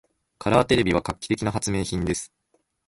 カラーテレビは画期的な発明品です。